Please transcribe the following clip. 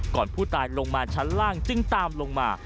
ก่อนผู้ตายลงมาชั้นล่างจึงตามลงมา